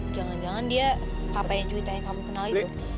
jangan jangan dia papa juwita yang kamu kenal itu